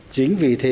chính vì thế